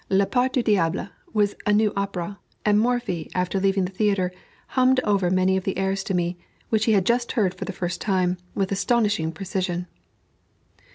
"La Part du Diable" was a new opera, and Morphy, after leaving the theatre, hummed over many of the airs to me, which he had just heard for the first time, with astonishing precision.